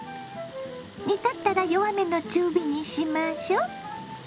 煮立ったら弱めの中火にしましょ。